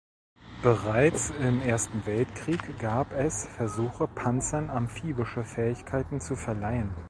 Bereits im Ersten Weltkrieg gab es Versuche, Panzern amphibische Fähigkeiten zu verleihen.